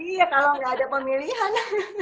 iya kalau nggak ada pemilihan